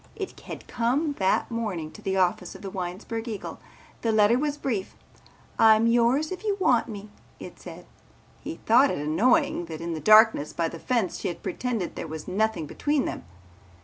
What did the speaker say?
It had come that morning to the office of the Winesburg Eagle. The letter was brief. "I'm yours if you want me," it said. He thought it annoying that in the darkness by the fence she had pretended there was nothing between them.